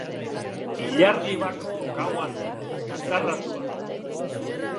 Ilargi bako gaua zen, izarratua.